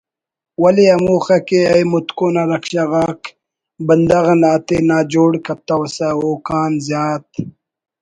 ولے ہمو خہ کہ اے متکن آ رکشہ غاک بندغ آتے ناجوڑ کتوسہ اوکان زیادہ